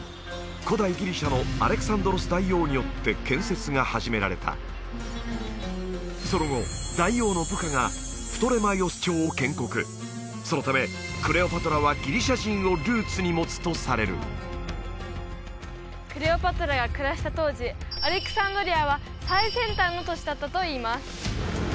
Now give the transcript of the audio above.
古代ギリシャのアレクサンドロス大王によって建設が始められたその後大王の部下がプトレマイオス朝を建国そのためクレオパトラはギリシャ人をルーツに持つとされるクレオパトラが暮らした当時アレクサンドリアは最先端の都市だったといいます